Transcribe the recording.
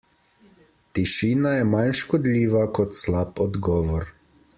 Tišina je manj škodljiva kot slab odgovor.